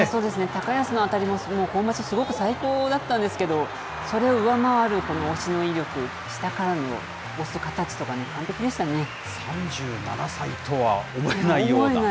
高安の当たりも今場所、すごく最高だったんですけど、それを上回るこの押しの威力、下からの押す３７歳とは思えないような。